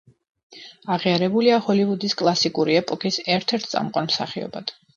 აღიარებულია ჰოლივუდის კლასიკური ეპოქის ერთ-ერთ წამყვან მსახიობად.